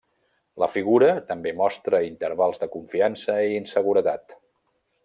La figura també mostra intervals de confiança i inseguretat.